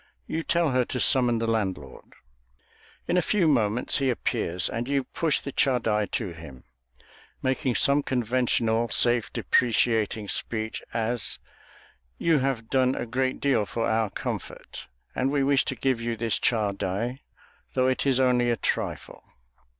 You tell her to summon the landlord. In a few moments he appears, and you push the chadai to him, making some conventional self depreciating speech, as, "You have done a great deal for our comfort, and we wish to give you this chadai, though it is only a trifle."